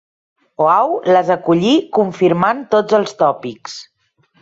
Oahu les acollí confirmant tots els tòpics.